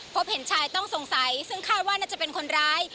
พบเห็นชายต้องสงสัยซึ่งคาดว่าน่าจะเป็นคนร้าย